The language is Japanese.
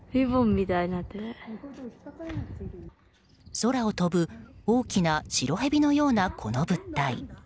空を飛ぶ大きな白蛇のようなこの物体。